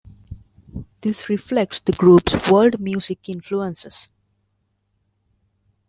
This reflects the group's world music influences.